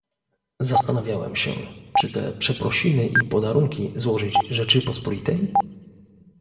"Zastanawiałem się: czy te przeprosiny i podarunki złożyć Rzeczypospolitej?"